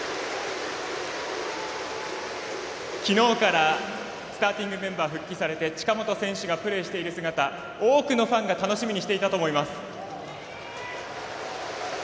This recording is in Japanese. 昨日からスターティングメンバー復帰されて、近本選手がプレーしている姿多くのファンが楽しみにしていたと思います。